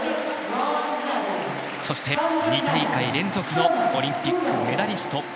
そして、２大会連続のオリンピックメダリスト